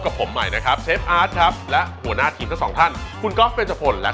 กับผมหมายนะครับเซฟอาร์ดครับและหัวหน้าที่สองทันคุณก็เจ้าผลและ